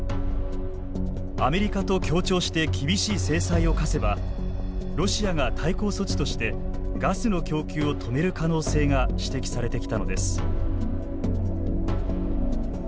アメリカと協調して厳しい制裁を科せばロシアが対抗措置としてガスの供給を止める可能性が指摘されてきたのです。